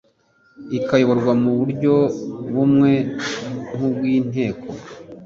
ikayoborwa mu buryo bumwe nk ubw Inteko